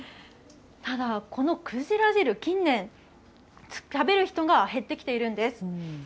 ただ、このくじら汁、近年、食べる人が減ってきているんです。